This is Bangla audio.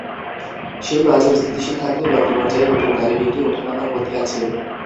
সেই বাজার স্থিতিশীল থাকলেও ব্যক্তিপর্যায়ে নতুন গাড়ি বিক্রি ওঠানামার মধ্যে আছে।